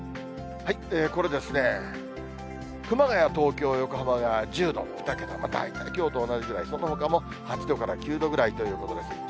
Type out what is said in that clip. これですね、熊谷、東京、横浜が１０度、２桁、大体きょうと同じぐらい、そのほかも８度から９度ぐらいということです。